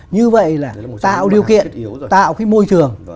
như vậy là tạo điều kiện tạo môi trường